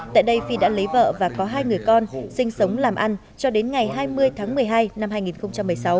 tại đây phi đã lấy vợ và có hai người con sinh sống làm ăn cho đến ngày hai mươi tháng một mươi hai năm hai nghìn một mươi sáu